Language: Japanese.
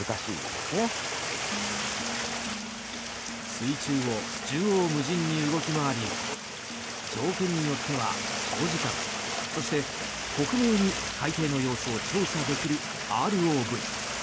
水中を縦横無尽に動き回り条件によっては長時間そして、克明に海底の様子を調査できるＲＯＶ。